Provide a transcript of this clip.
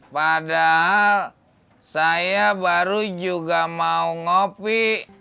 padahal saya baru juga mau ngopi